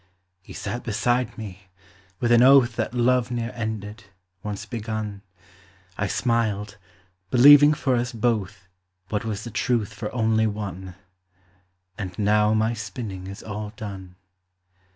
He sat beside me, with an oath That love ne'er ended, once begun; I smiled, believing for us both, What was the truth for only one: And now my spinning is all done.